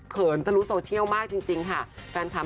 เขินทะลุโซเชียลมากจริงค่ะ